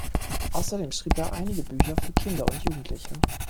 Außerdem schrieb er einige Bücher für Kinder und Jugendliche.